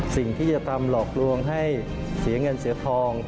สิ่งที่จะตามหลอกลวงให้เสียเงินเสียทอง